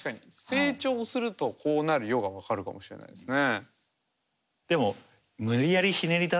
「成長するとこうなるよ」が分かるかもしれないですね。